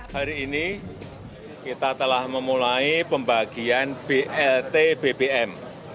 hari ini kita telah memulai pembagian blt bbm